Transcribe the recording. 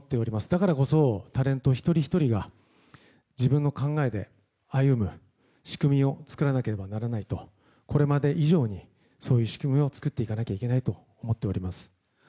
だからこそタレント一人ひとりが自分の考えで歩む仕組みを作らなければならないとこれまで以上にそういう仕組みを作っていかなきゃいけないと思っております。